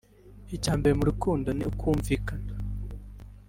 Icya mbere mu rukundo ni ukumvikana